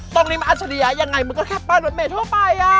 ตรงนี้มันอาชริยะยังไงมันก็แค่เปิดรถเมฆทั่วไป